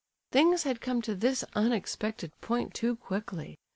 Things had come to this unexpected point too quickly.